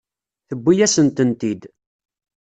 Tewwi-yasen-tent-id.